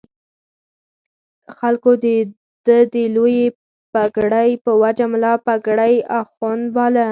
خلکو د ده د لویې پګړۍ په وجه ملا پګړۍ اخُند باله.